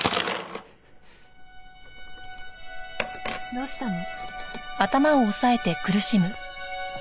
どうしたの？